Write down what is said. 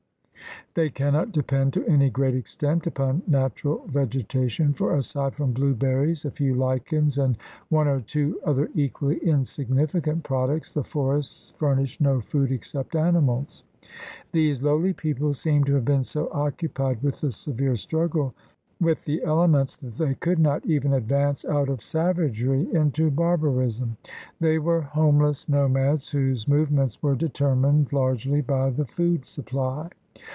They cannot depend to any great extent upon natural vegeta tion, for aside from blueberries, a few lichens, and one or two other equally insignificant products, the forests furnish no food except animals. These lowly people seem to have been so occupied with the severe struggle with the elements that they could not even advance out of savagery into bar barism. They were homeless nomads whose move ments were determined largely by the food supply.